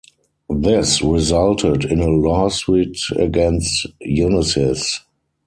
This resulted in a lawsuit against Unisys.